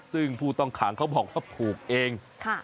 ซึ่งผู้ต้องขังเขาบอกว่าผูกเอง